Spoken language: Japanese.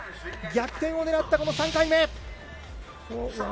逆転を狙ったこの３回目。